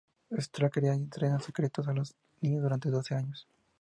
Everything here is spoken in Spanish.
Stark cría y entrena en secreto a los niños durante doce años.